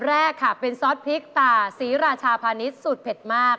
แบบ๑เป็นซอสพริกตาศรือาชาพานิตสูตรเพ็ดมาก